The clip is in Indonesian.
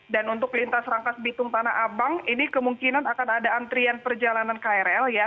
dan untuk lintas rangkas bitung tanah abang ini kemungkinan akan ada antrian perjalanan krl ya